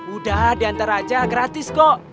udah diantar aja gratis kok